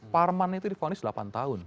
parman itu difonis delapan tahun